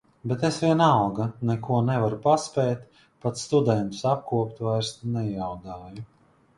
Bet es vienalga neko nevaru paspēt, pat studentus apkopt vairs nejaudāju.